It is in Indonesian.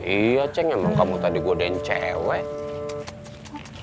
iya acek emang kamu tadi godein cewek